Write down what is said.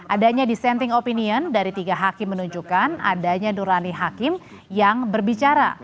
adanya dissenting opinion dari tiga hakim menunjukkan adanya nurani hakim yang berbicara